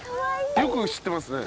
よく知ってますね。